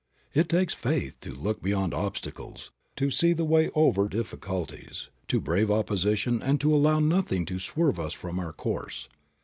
It takes faith to look beyond obstacles, to see the way over difficulties, to brave opposition and to allow nothing to swerve us from our course.